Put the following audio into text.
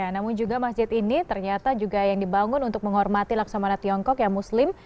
namun juga masjid ini ternyata juga yang dibangun untuk menghormati laksamana tiongkok yang muslim